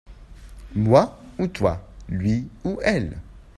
Moi/Toi. Lui/Elle.